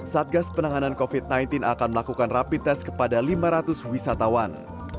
satgas penanganan covid sembilan belas akan melakukan rapid test kepada lima ratus wisatawan